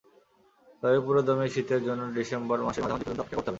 তবে পুরোদমে শীতের জন্য ডিসেম্বর মাসের মাঝামাঝি পর্যন্ত অপেক্ষা করতে হবে।